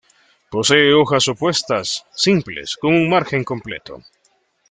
Posee hojas opuestas, simples, con un margen completo.